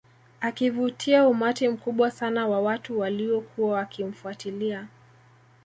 Akivutia umati mkubwa sana wa watu walio kuwa wakimfuatilia